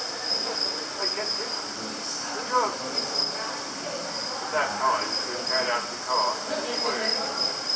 "Yes, I can tell you. The dogs " At that point she was carried out of the court in a swoon.